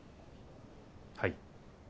はい。